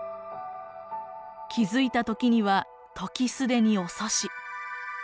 気付いた時には時既に遅し。